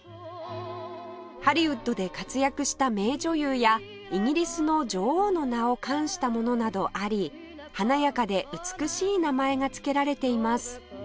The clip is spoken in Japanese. ハリウッドで活躍した名女優やイギリスの女王の名を冠したものなどあり華やかで美しい名前が付けられています